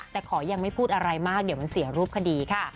แต่ขอยังไม่พูดอะไรมากเดี๋ยวมันเสียรูปคดีค่ะ